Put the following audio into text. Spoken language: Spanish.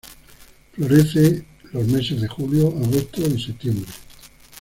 Florece los meses de julio, agosto y septiembre.